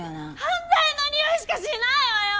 犯罪のにおいしかしないわよ！